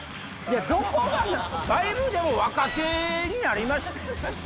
どこがなん⁉だいぶでも若手になりました。